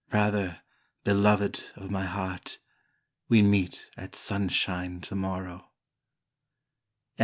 Rather, beloved of my heart, "We meet at sunshine tomorrow."